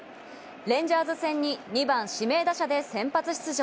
レンジャーズ戦に２番・指名打者で先発出場。